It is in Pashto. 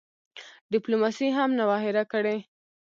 ډیپلوماسي هم نه وه هېره کړې.